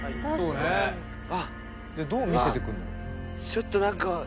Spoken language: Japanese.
ちょっとなんか。